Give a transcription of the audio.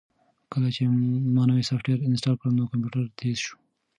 کله چې ما نوی سافټویر انسټال کړ نو کمپیوټر تېز شو.